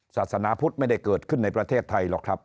ศาสนาพุทธไม่ได้เกิดขึ้นในประเทศไทยหรอกครับ